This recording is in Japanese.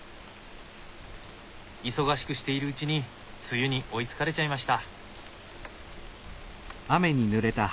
忙しくしているうちに梅雨に追いつかれちゃいました。